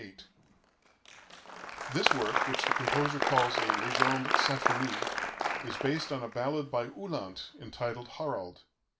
8 This work, which the composer calls a Legende symphonie, is based on a ballad by Uhland entitled "Harald."